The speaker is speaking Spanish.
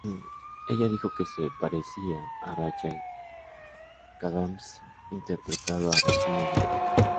Ella dijo que se parecía a Rachel McAdams interpretando a Regina George.